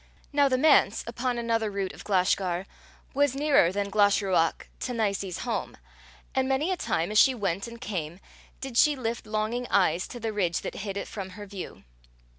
Now the manse, upon another root of Glashgar, was nearer than Glashruach to Nicie's home, and many a time as she went and came, did she lift longing eyes to the ridge that hid it from her view.